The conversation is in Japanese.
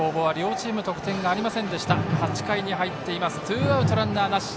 ツーアウト、ランナーなし。